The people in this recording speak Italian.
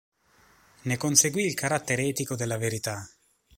Ne conseguì il carattere etico della verità.